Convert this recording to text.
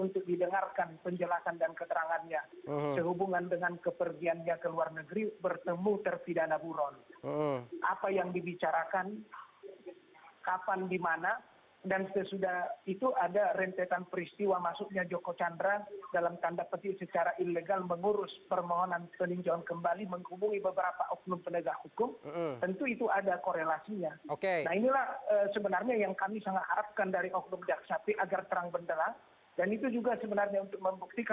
tadi disimu soal dokumen palsu